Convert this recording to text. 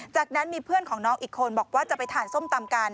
จากนั้นมีเพื่อนของน้องอีกคนบอกว่าจะไปทานส้มตำกัน